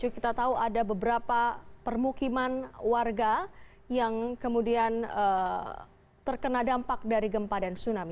kita tahu ada beberapa permukiman warga yang kemudian terkena dampak dari gempa dan tsunami